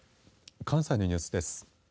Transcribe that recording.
関西のニュースです。